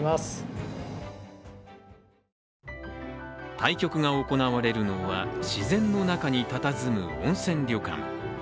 対局が行われるのは自然の中にたたずむ温泉旅館。